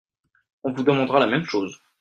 On vous demandera la même chose.